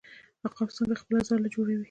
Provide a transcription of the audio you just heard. عقاب څنګه خپله ځاله جوړوي؟